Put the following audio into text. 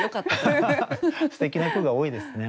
すてきな句が多いですね